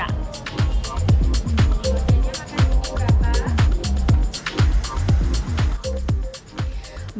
makanya makan bubur kata